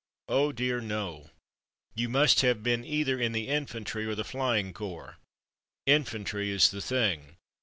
Oh dear no ! You must have been either in the Infantry or the Flying Corps. Infantry is the thing.